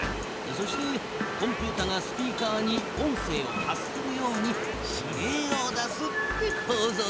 そしてコンピュータがスピーカーに音声を発するように指令を出すってこうぞうさ。